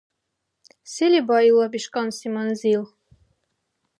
Се леба илаб иш кьанси манзил?